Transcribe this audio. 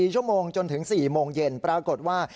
๔ชั่วโมงจนถึง๔โมงเย็นปรากฏว่า